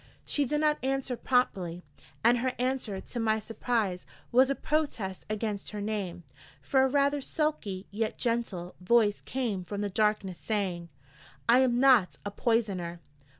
She did not answer promptly: and her answer, to my surprise, was a protest against her name: for a rather sulky, yet gentle, voice came from the darkness, saying: 'I am not a Poisoner!'